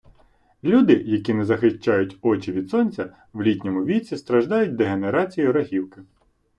Люди, які не захищають очі від сонця, в літньому віці страждають дегенерацією рогівки